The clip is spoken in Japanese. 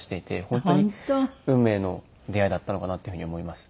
本当に運命の出会いだったのかなっていうふうに思います。